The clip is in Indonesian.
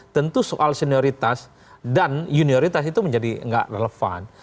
tentu soal senioritas dan junioritas itu menjadi nggak relevan